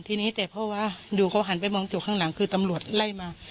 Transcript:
ทีนี้แต่เพราะว่าหนูเขาหันไปมองจุดข้างหลังคือตำรวจไล่มา